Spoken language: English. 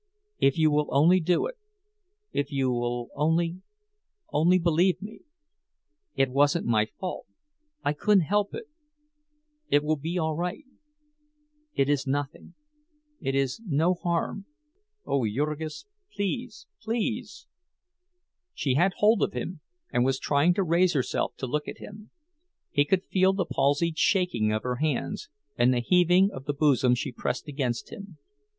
"If you will only do it! If you will only—only believe me! It wasn't my fault—I couldn't help it—it will be all right—it is nothing—it is no harm. Oh, Jurgis—please, please!" She had hold of him, and was trying to raise herself to look at him; he could feel the palsied shaking of her hands and the heaving of the bosom she pressed against him.